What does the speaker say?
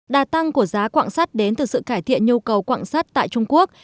đà tăng của giá quạng sắt đến từ sự cải thiện nhu cầu quạng sắt tại trung quốc